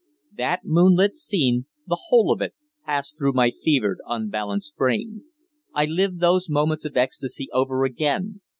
That moonlit scene the whole of it passed through my fevered, unbalanced brain. I lived those moments of ecstasy over again.